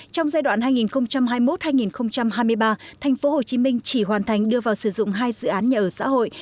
trong giai đoạn hai nghìn hai mươi một hai nghìn hai mươi ba tp hcm chỉ hoàn thành đưa vào sử dụng hai dự án nhà ở xã hội